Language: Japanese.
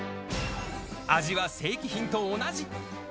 味は正規品と同じ。